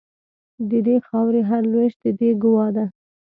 د دې خاوري هر لوېشت د دې ګوا ده